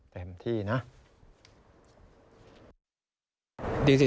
เต็มที่นะ